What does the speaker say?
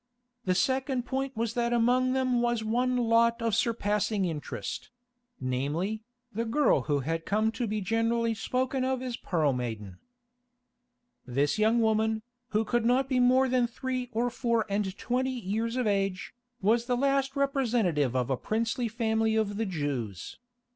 The second point was that among them was one lot of surpassing interest; namely, the girl who had come to be generally spoken of as Pearl Maiden. This young woman, who could not be more than three or four and twenty years of age, was the last representative of a princely family of the Jews.